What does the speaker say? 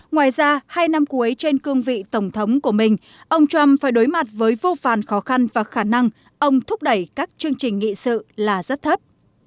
ngoài ra hai năm cuối trên cương vị tổng thống của mình ông trump phải đối mặt với vô vàn khó khăn và khả năng ông thúc đẩy các chương trình nghị sự là rất thấp